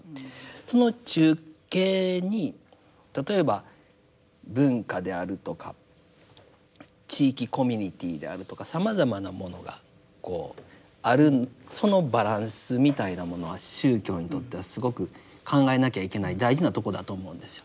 その中景に例えば文化であるとか地域コミュニティーであるとかさまざまなものがこうあるそのバランスみたいなものは宗教にとってはすごく考えなきゃいけない大事なとこだと思うんですよ。